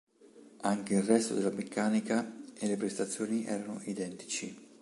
Anche il resto della meccanica e le prestazioni erano identici.